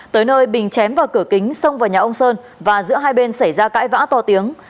tới nơi bình chém vào cửa kính xông vào nhà ông sơn và giữa hai bên xảy ra cãi vã to tiếng